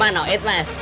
manoid kerja di samsat